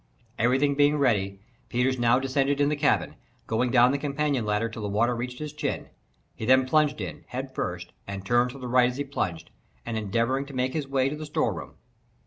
Everything being ready, Peters now descended in the cabin, going down the companion ladder until the water reached his chin. He then plunged in, head first, turning to the right as he plunged, and endeavouring to make his way to the storeroom.